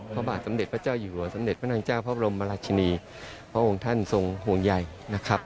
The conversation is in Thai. พระบาทสมเด็จพระเจ้าอยู่หัวสมเด็จพระนางเจ้าพระบรมราชินีพระองค์ท่านทรงห่วงใยนะครับ